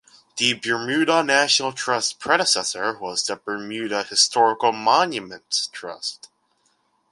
The Burmuda National Trust's predecessor was the Bermuda Historical Monuments Trust.